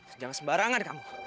sejak sembarangan kamu